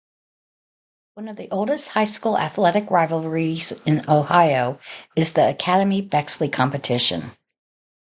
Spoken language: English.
One of the oldest high school athletic rivalries in Ohio is the Academy-Bexley competition.